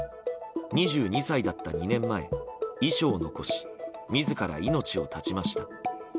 ２２歳だった２年前、遺書を残し自ら命を絶ちました。